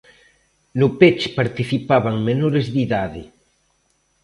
No peche participaban menores de idade.